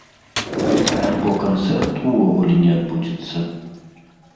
Альбо канцэрт увогуле не адбудзецца.